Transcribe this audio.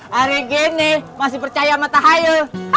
hari gini masih percaya mata hayo